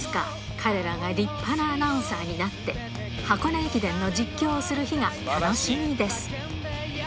いつか彼らが立派なアナウンサーになって、箱根駅伝の実況をする日が楽しみです。